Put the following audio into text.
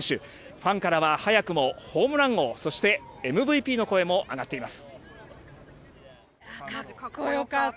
ファンからは早くもホームラン王、そしてＭＶＰの声も上がっています。